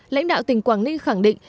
lãnh đạo tỉnh quảng ninh khẳng định